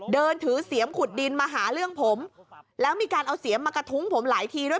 เดินถือเสียมขุดดินมาหาเรื่องผมแล้วมีการเอาเสียมมากระทุ้งผมหลายทีด้วย